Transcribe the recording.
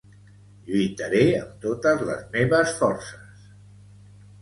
Lluitaré amb totes les meves forces